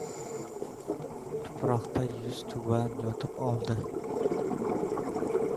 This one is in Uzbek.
Tuproqda yuztuban yotib oldi.